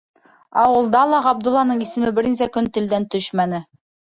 Ауылда ла Ғабдулланың исеме бер нисә көн телдән төшмәне.